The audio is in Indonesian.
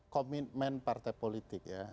komitmen partai politik ya